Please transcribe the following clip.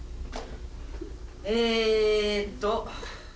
えーっと。